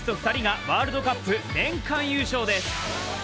２人がワールドカップ年間優勝です。